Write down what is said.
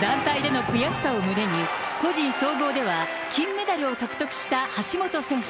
団体での悔しさを胸に、個人総合では金メダルを獲得した橋本選手。